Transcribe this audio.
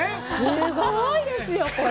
すごいですよ、これ。